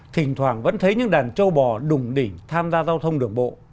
thỉnh thoảng vẫn thấy những đàn châu bò đùng đỉnh tham gia giao thông đường bộ